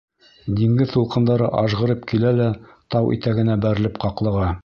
Диңгеҙ тулҡындары ажғырып килә лә тау итәгенә бәрелеп ҡаҡлыға.